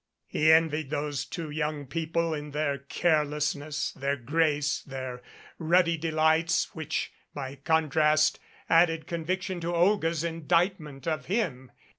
He envied those two young people their carelessness, their grace, their ruddy delights which by contrast added conviction to Olga's indictment of him.